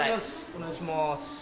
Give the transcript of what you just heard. お願いします。